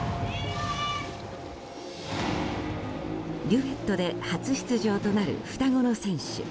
デュエットで初出場となる双子の選手